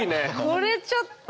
これちょっと。